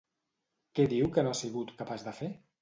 Què diu que no ha sigut capaç de fer?